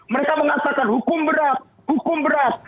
mereka mengatakan hukum berat hukum berat